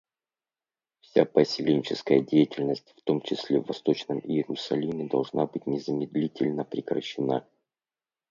Вся поселенческая деятельность, в том числе в Восточном Иерусалиме, должна быть незамедлительно прекращена.